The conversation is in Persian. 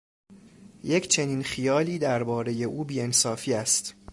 یک چنین خیالی در بارهٔ او بی انصافی است.